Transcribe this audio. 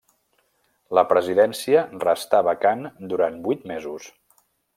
La presidència restà vacant durant vuit mesos.